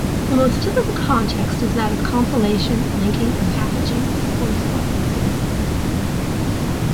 The most typical context is that of compilation, linking, and packaging of source files.